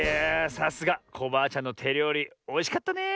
さすがコバアちゃんのてりょうりおいしかったねえ。